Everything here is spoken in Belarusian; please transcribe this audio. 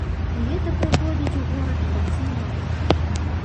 Лета прыходзіць у горад у канцы мая.